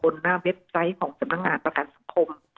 หน้าเว็บไซต์ของสำนักงานประกันสังคม